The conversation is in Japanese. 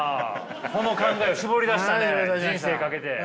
この考え絞り出したね人生かけて。